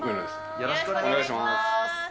よろしくお願いします。